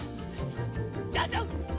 どうぞ！